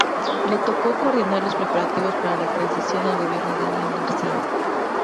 Le tocó coordinar los preparativos para la transición al gobierno de Alan García.